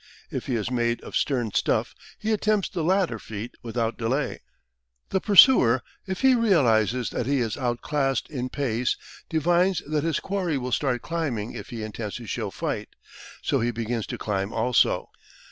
If he is made of stern stuff, he attempts the latter feat without delay. The pursuer, if he realises that he is out classed in pace, divines that his quarry will start climbing if he intends to show fight, so he begins to climb also.